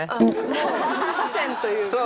もう祖先というか。